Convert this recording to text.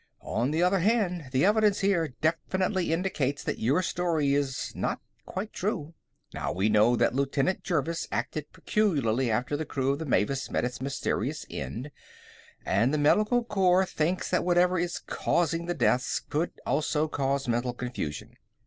"On the other hand, the evidence here definitely indicates that your story is not quite true. Now, we know that Lieutenant Jervis acted peculiarly after the crew of the Mavis met its mysterious end, and the Medical Corps thinks that whatever is causing the deaths could also cause mental confusion.